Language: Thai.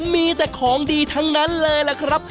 มีแต่ของดีทั้งนั้นเลยล่ะครับ